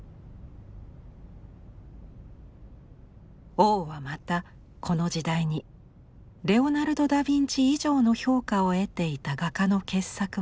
王はまたこの時代にレオナルド・ダ・ヴィンチ以上の評価を得ていた画家の傑作も手に入れました。